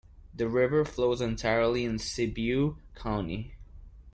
The river flows entirely in Sibiu County.